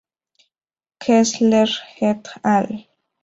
Kessler "et al.